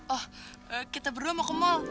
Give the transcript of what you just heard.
oh kita berdua mau ke mall